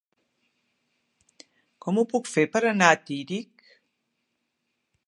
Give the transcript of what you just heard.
Com ho puc fer per anar a Tírig?